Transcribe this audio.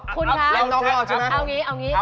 คุณท้ายเอางี้เอางี้